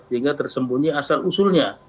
sehingga tersembunyi asal usulnya